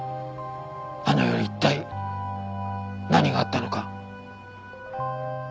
あの夜一体何があったのか。